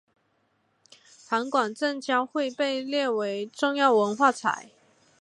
函馆正教会被列为重要文化财。